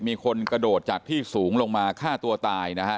มีคนกระโดดจากที่สูงลงมาฆ่าตัวตายนะฮะ